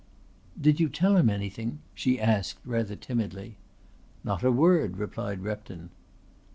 "Did you tell him anything?" she asked rather timidly. "Not a word," replied Repton.